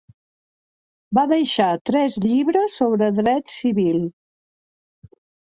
Va deixar tres llibres sobre dret civil.